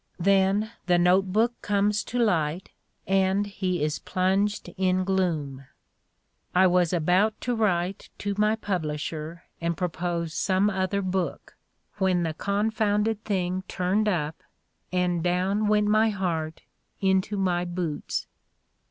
Then the note book comes to light, and he is plunged in gloom: "I was about to write to my publisher and propose some other book, when the con lyo The Ordeal of Mark Twain founded thing turned up, and down went my heart into my boots."